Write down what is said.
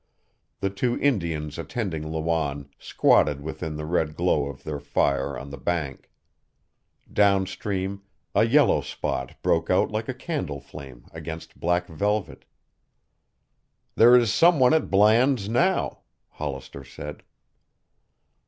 The two Indians attending Lawanne squatted within the red glow of their fire on the bank. Downstream a yellow spot broke out like a candle flame against black velvet. "There is some one at Bland's now," Hollister said.